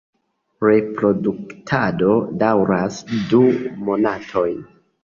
Reproduktado daŭras du monatojn.